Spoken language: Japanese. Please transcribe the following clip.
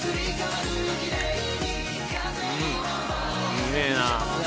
うめぇな